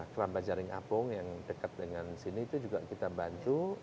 keramba jaring apung yang dekat dengan sini itu juga kita bantu